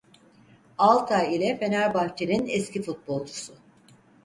Altay ile Fenerbahçe'nin eski futbolcusu.